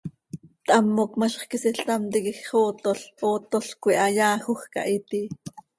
Thamoc ma, quisiil ctam tiquij xootol, ootolc coi ha yaajoj cah itii.